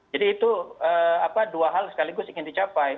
jadi itu dua hal sekaligus ingin dicapai